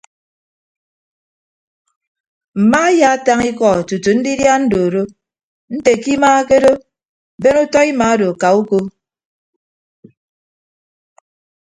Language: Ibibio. Mma ayaatañ iko tutu ndidia andooro nte ke ima ke odo ben utọ ima odo ka uko.